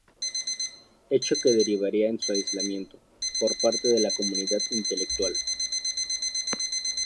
Hecho que derivaría en su aislamiento, por parte de la comunidad intelectual.